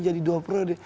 jadi dua pro